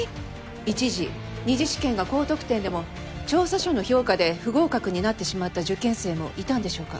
一次二次試験が高得点でも調査書の評価で不合格になってしまった受験生もいたんでしょうか？